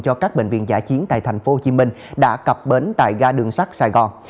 cho các bệnh viện giả chiến tại tp hcm đã cập bến tại ga đường sắt sài gòn